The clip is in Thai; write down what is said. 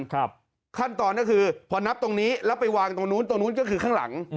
ขั้นตอนก็คือพอนับตรงนี้แล้วไปวางตรงนู้นตรงนู้นก็คือข้างหลัง